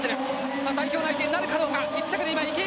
さあ、代表内定なるかどうか。